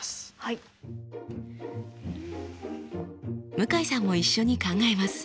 向井さんも一緒に考えます。